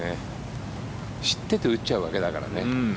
知ってて打っちゃうわけだからね。